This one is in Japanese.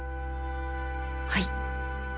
はい。